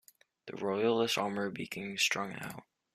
The Royalist army became strung out.